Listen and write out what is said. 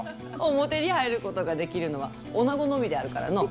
表に入ることができるのは女のみであるからの。